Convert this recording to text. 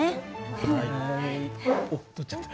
おっ取っちゃった。